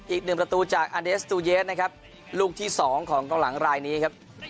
อีกหนึ่งประตูจากอเดสตูเยสนะครับลูกที่สองของกองหลังรายนี้ครับ